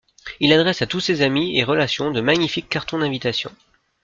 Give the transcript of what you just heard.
Il adresse à tous ses amis et relations de magnifiques cartons d’invitation.